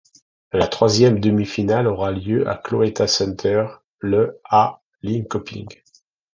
La troisième demi-finale aura lieu au Cloetta Center le à Linköping.